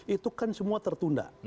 itu kan semua tertunda